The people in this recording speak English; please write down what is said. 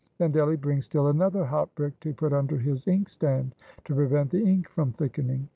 Then Delly brings still another hot brick to put under his inkstand, to prevent the ink from thickening.